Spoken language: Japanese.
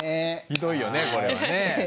ひどいよねこれはね。